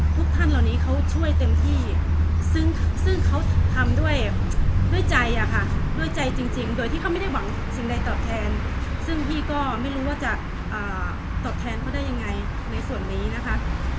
ทุกท่านเหล่านี้เขาช่วยเต็มที่ซึ่งเขาทำด้วยด้วยใจอะค่ะด้วยใจจริงโดยที่เขาไม่ได้หวังสิ่งใดตอบแทนซึ่งพี่ก็ไม่รู้ว่าจะตอบแทนเขาได้ยังไงในส่วนนี้นะคะ